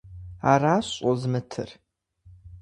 Аращ щӀозмытыр!